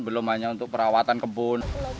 belum hanya untuk perawatan kebun